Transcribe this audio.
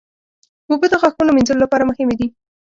اوبه د غاښونو مینځلو لپاره مهمې دي.